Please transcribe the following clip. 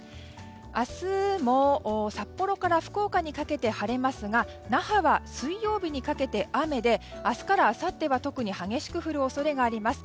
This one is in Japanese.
明日も札幌から福岡にかけて晴れますが那覇は水曜日にかけて雨で明日からあさっては特に激しく降る恐れがあります。